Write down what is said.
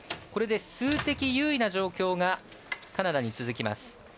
これで数的優位な状況がカナダに続きます。